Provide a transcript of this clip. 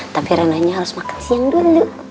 tapi ranahnya harus makan siang dulu